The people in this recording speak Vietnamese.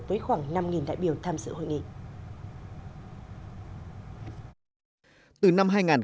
với khoảng năm đại biểu tham dự hội nghị